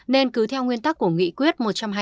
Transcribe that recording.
nên cứ theo nguyên tắc của nghị quyết một trăm hai mươi năm